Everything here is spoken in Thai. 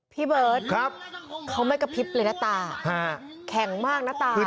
พี่เบิร์ตเขาไม่กระพริบเลยนะตาแข็งมากนะตา